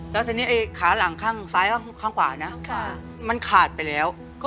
แล้วทีนี้ไอ้ขาหลังข้างซ้ายข้างขวานะมันขาดไปแล้ว